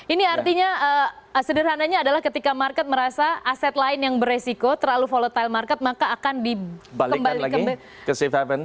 ini artinya sederhananya adalah ketika market merasa aset lain yang beresiko terlalu volatile market maka akan dikembalikan ke safe haven